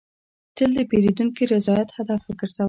تل د پیرودونکي رضایت هدف وګرځوه.